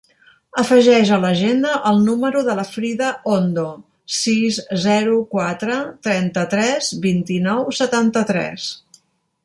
Afegeix a l'agenda el número de la Frida Ondo: sis, zero, quatre, trenta-tres, vint-i-nou, setanta-tres.